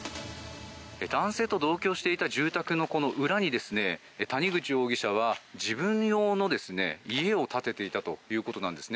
男性と同居していた住宅の裏に谷口容疑者は自分用の家を建てていたということなんです。